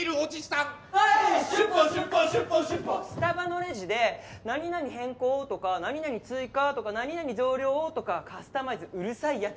スタバのレジで何々変更とか何々追加とか何々増量とかカスタマイズうるさい奴。